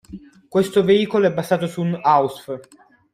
Questo veicolo è basato su un Ausf.